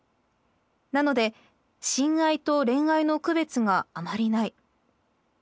なので親愛と恋愛の区別があまりない。